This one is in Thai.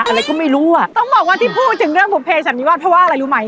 อะไรก็ไม่รู้อ่ะต้องบอกว่าที่พูดถึงเรื่องบุภเสันนิวาสเพราะว่าอะไรรู้ไหม